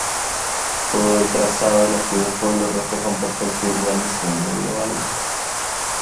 Todo el trazado del antiguo pueblo refleja un perfecto urbanismo medieval.